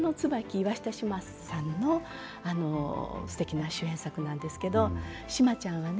岩下志麻さんのすてきな主演作なんですけれども志麻ちゃんはね